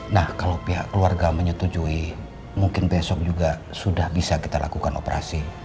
nah kalau pihak keluarga menyetujui mungkin besok juga sudah bisa kita lakukan operasi